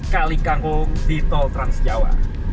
kali kangkung di tol trans jawa